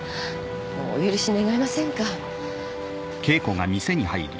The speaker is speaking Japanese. もうお許し願えませんか？